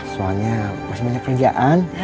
soalnya masih banyak kerjaan